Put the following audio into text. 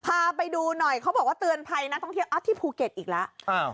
พาไปดูหน่อยเขาบอกว่าเตือนภัยนักท่องเที่ยวที่ภูเก็ตอีกแล้ว